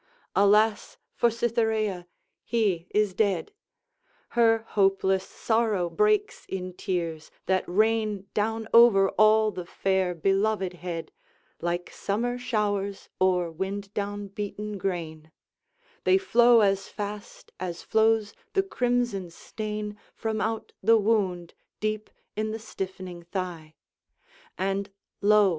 Alas for Cytherea! he is dead. Her hopeless sorrow breaks in tears, that rain Down over all the fair, beloved head, Like summer showers, o'er wind down beaten grain; They flow as fast as flows the crimson stain From out the wound, deep in the stiffening thigh; And lo!